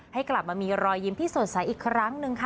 ให้กลับมามีรอยยิ้มที่สดใสอีกครั้งหนึ่งค่ะ